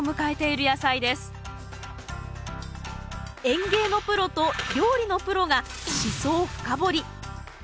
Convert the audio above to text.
園芸のプロと料理のプロがシソを深掘り。